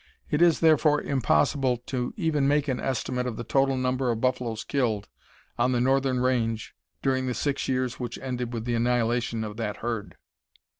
It is therefore impossible to even make an estimate of the total number of buffaloes killed on the northern range during the six years which ended with the annihilation of that herd.